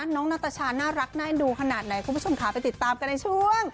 นาตาชาน่ารักน่าเอ็นดูขนาดไหนคุณผู้ชมค่ะไปติดตามกันในช่วง